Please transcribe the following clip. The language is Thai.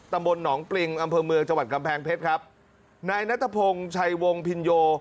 ตำบลหนองปริงอำเภอเมืองจังหวัดกำแพงเพชรครับนายนัทพงศ์ชัยวงพินโย